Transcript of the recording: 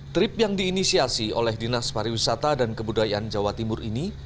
trip yang diinisiasi oleh dinas pariwisata dan kebudayaan jawa timur ini